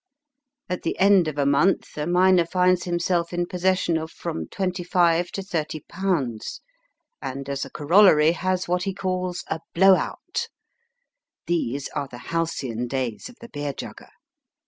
At the end of a month a miner finds himseK in possession of from £25 to £30, and, as a corollary, has what he calls *' a blow out." These are the halcyon days of the beer jugger.